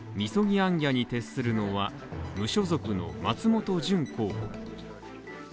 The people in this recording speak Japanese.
行脚に徹するのは無所属の松本純候補。